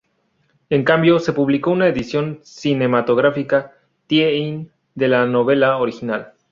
En cambio, se publicó una edición cinematográfica "tie-in" de la novela original.